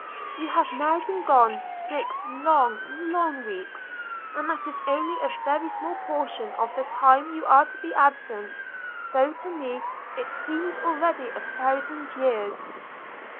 You have now been gone six long – long weeks, and that is only a very small portion of the time you are to be absent, though to me it seems already a thousand years.